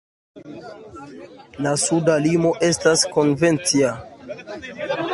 La suda limo estas konvencia.